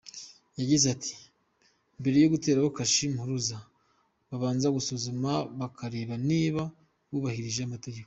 Yagize ati “Mbere yo guteraho kashe mpuruza babanza gusuzuma bakareba niba wubahirije amategeko.